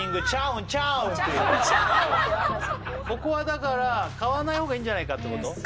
って話ここはだから買わない方がいいんじゃないかってこと？